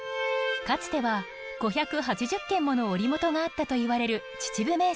かつては５８０軒もの織り元があったといわれる秩父銘仙。